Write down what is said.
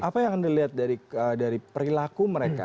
apa yang dilihat dari perilaku mereka